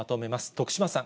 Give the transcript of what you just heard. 徳島さん。